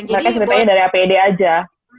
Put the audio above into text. mereka ceritanya dari apd aja